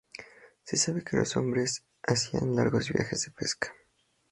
Se sabe que los hombres hacían largos viajes de pesca.